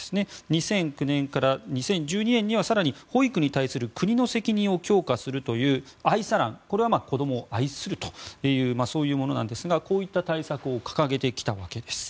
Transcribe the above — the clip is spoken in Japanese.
２００９年から２０１２年には更に保育に対する国の責任を強化するというアイサラン、子供を愛するというものなんですがこういった対策を掲げてきたわけです。